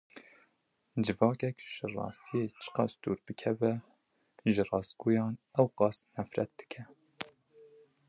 Civakek ji rastiyê çi qas dûr bikeve, ji rastgoyan ew qas nefret dike.